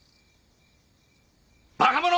バカ者！